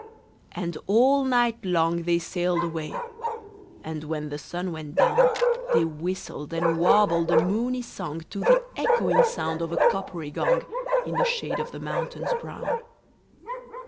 And all night long they sailed away; And when the sun went down, They whistled and warbled a moony song To the echoing sound of a coppery gong, In the shade of the mountains brown.